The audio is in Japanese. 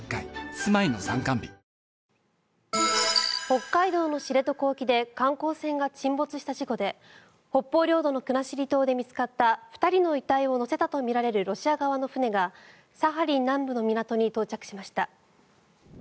北海道の知床沖で観光船が沈没した事故で北方領土の国後島で見つかった２人の遺体を乗せたとみられるロシア側の船がサハリン南部の港に到着しました。